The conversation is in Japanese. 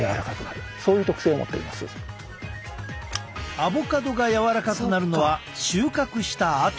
アボカドが柔らかくなるのは収穫したあと！